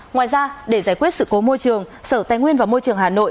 ngoài ra để giải quyết sự cố môi trường sở tài nguyên và môi trường hà nội